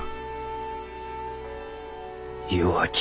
弱き